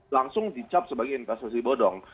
langsung dicap sebagai investasi bodong